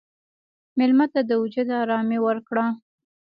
مېلمه ته د وجود ارامي ورکړه.